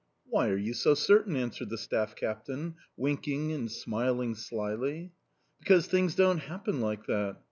"Why are you so certain?" answered the staff captain, winking and smiling slyly. "Because things don't happen like that.